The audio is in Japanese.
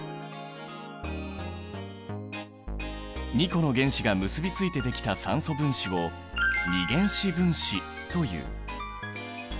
２個の原子が結びついてできた酸素分子を二原子分子という。